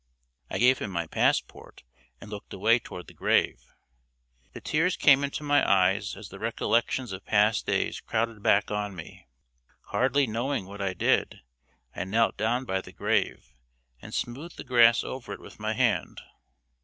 I gave him my passport, and looked away toward the grave. The tears came into my eyes as the recollections of past days crowded back on me. Hardly knowing what I did, I knelt down by the grave, and smoothed the grass over it with my hand.